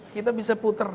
kita bisa puter